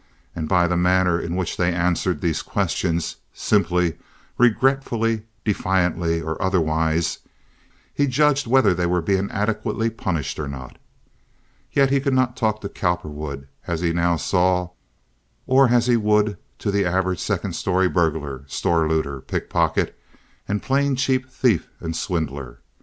and by the manner in which they answered these questions—simply, regretfully, defiantly, or otherwise—he judged whether they were being adequately punished or not. Yet he could not talk to Cowperwood as he now saw or as he would to the average second story burglar, store looter, pickpocket, and plain cheap thief and swindler.